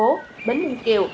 bến nguyên bình thuận tây nguyên